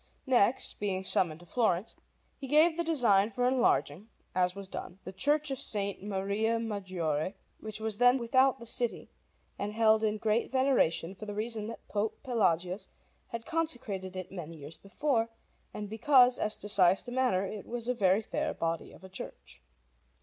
Next, being summoned to Florence, he gave the design for enlarging, as was done, the Church of S. Maria Maggiore, which was then without the city, and held in great veneration for the reason that Pope Pelagius had consecrated it many years before, and because, as to size and manner, it was a very fair body of a church.